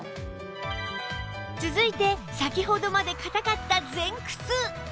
続いて先ほどまで硬かった前屈